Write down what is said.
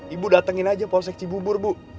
ibu datengin aja polsek cibubur bu